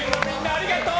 ありがとう！